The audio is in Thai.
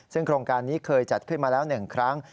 ซึ่งโครงการนี้เคยจัดขึ้นมาแล้ว๑ครั้ง